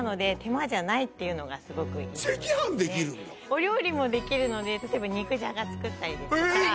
お料理もできるので例えば肉じゃが作ったりですとか。